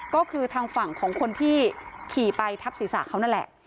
ก็คือทางฝั่งของคนที่ขี่ไปทับศีรษะเขานั่นแหละ